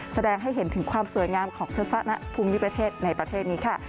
แสดงให้เห็นถึงความสวยงามของทัศนภูมิประเทศในประเทศนี้ค่ะ